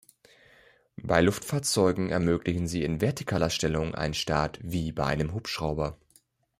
Bei Luftfahrzeugen ermöglichen sie in vertikaler Stellung einen Start wie bei einem Hubschrauber.